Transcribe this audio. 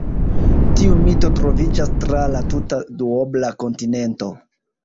Tiu mito troviĝas tra la tuta duobla kontinento.